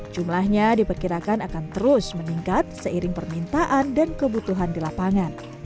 jumlahnya diperkirakan akan terus meningkat seiring permintaan dan kebutuhan di lapangan